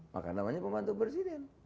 maka namanya pembantu presiden